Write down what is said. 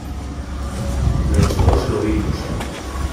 los dos lo vimos.